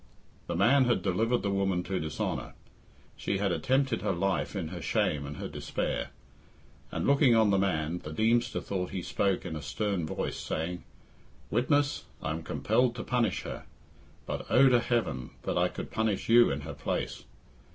The man had delivered the woman to dishonour; she had attempted her life in her shame and her despair. And looking on the man, the Deemster thought he spoke in a stern voice, saying, "Witness, I am compelled to punish her, but oh to heaven that I could punish you in her place!